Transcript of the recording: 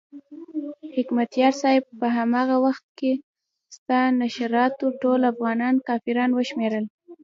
حکمتیار صاحب په هماغه وخت کې ستا نشراتو ټول افغانان کافران وشمېرل.